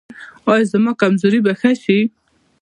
ایا زما کمزوري به ښه شي؟